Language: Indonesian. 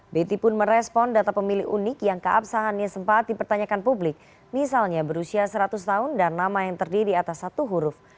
betty pun merespon data pemilih unik yang keabsahannya sempat dipertanyakan publik misalnya berusia seratus tahun dan nama yang terdiri atas satu huruf